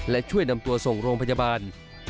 และช่วยนำตัวส่งโรงพยาบาล